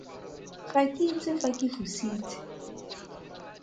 Ga ke itse fa ke fositse.